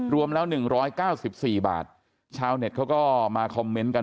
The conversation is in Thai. รวมแล้ว๑๙๔บาทชาวเน็ตเขาก็มาคอมเมนต์กัน